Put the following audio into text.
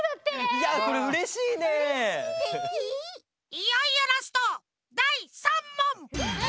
いよいよラストだい３もん！